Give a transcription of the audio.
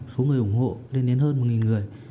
số người ủng hộ lên đến hơn một người